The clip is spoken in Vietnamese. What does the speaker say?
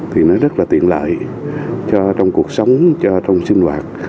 thì nó rất là tiện lợi cho trong cuộc sống trong sinh hoạt